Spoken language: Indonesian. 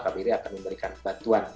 kbri akan memberikan bantuan